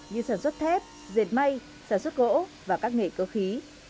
như sản xuất thép dệt mây sản xuất gỗ và các nghệ cơ khí